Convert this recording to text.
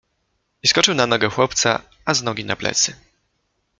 I skoczył na nogę chłopca, a z nogi na plecy.